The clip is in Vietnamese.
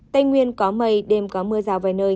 tây nguyên có mây đêm có mưa rào vài nơi